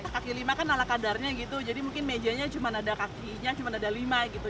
kaki lima kan ala kadarnya gitu jadi mungkin mejanya cuma ada kakinya cuma ada lima gitu